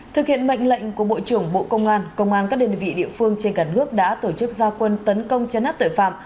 thực hiện mệnh lệnh của bộ trưởng bộ công an công an các đơn vị địa phương trên cả nước đã tổ chức gia quân tấn công chấn áp tội phạm